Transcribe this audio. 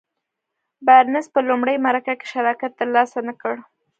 بارنس په لومړۍ مرکه کې شراکت تر لاسه نه کړ.